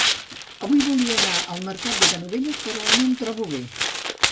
avui volia anar al mercat de Canovelles però no em trobo bé